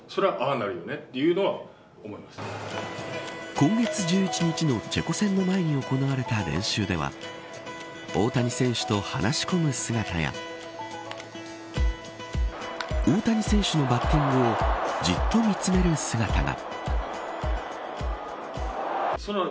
今月１１日のチェコ戦の前に行われた練習では大谷選手と話し込む姿や大谷選手のバッティングをじっと見詰める姿が。